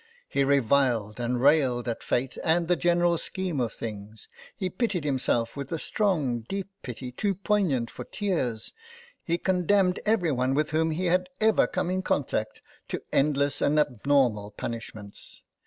He reviled and railed at fate and the general scheme of things, he pitied himself with a strong, deep pity too poignant for tears, he condemned every one with whom he had ever come in contact to endless and abnormal punishments.